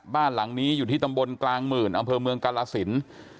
บ้านหลังนี้อยู่ที่ตำบลกลางหมื่นอำเภอเมืองกาลสิน